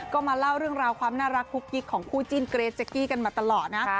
ก็มาเล่าเรื่องราวความน่ารักกุ๊กกิ๊กของคู่จิ้นเกรดเจ๊กกี้กันมาตลอดนะ